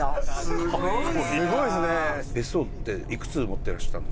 すごいですね！